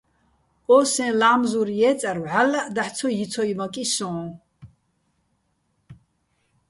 ო სეჼ ლამზურ ჲე́წარ ვჵალლაჸ დაჰ̦ ცო ჲიცოჲმაკი სოჼ.